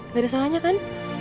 gak ada salahnya kan